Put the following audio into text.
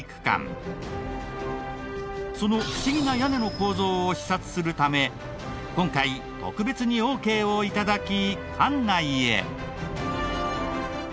その不思議な屋根の構造を視察するため今回特別にオーケーを頂き館内へ。